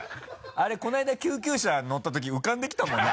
あれこのあいだ救急車乗ったとき浮かんできたもんね